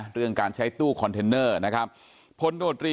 เรื่องการใช้ตู้คอนเทนเนอร์